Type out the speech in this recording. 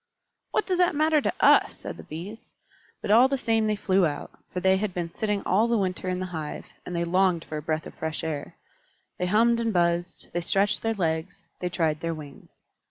"What does that matter to us?" said the Bees. But all the same they flew out; for they had been sitting all the winter in the hive, and they longed for a breath of fresh air. They hummed and buzzed, they stretched their legs, they tried their wings.